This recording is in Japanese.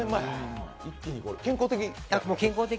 健康的？